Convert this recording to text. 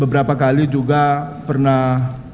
beberapa kali juga pernah